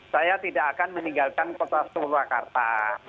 saya tidak akan meninggalkan kota surakarta